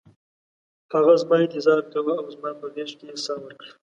هغه زما انتظار کاوه او زما په غیږ کې یې ساه ورکړه